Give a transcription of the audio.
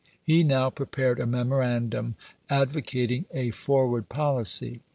He now prepared a memorandum advocating a forward policy.